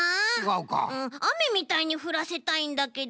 うんあめみたいにふらせたいんだけど。